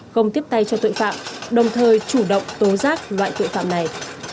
không tiếp tay cho tội phạm đồng thời chủ động tố giác loại tội phạm này